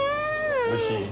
おいしい？